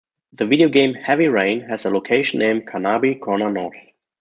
The video game "Heavy Rain" has a location named Carnaby Corner North.